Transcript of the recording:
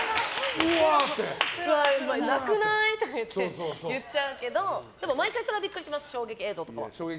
なくない？とか言っちゃうけどでも毎回それはビックリします衝撃映像とかは。